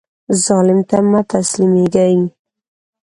ظالم ته مه تسلیمیږئ